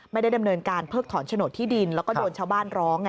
ไม่ได้ดำเนินการเพิกถอนโฉนดที่ดินแล้วก็โดนชาวบ้านร้อง